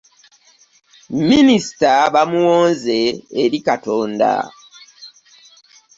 Minisita bamuwonze eri katonda.